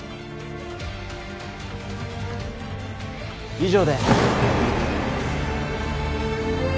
以上で。